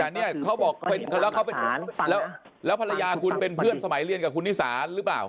แต่เนี่ยเขาบอกแล้วภรรยาคุณเป็นเพื่อนสมัยเรียนกับคุณนิสาหรือเปล่า